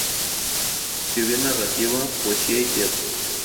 Escribió narrativa, poesía y teatro.